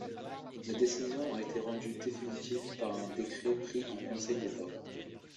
La décision a été rendue définitive par un décret pris en Conseil d’État.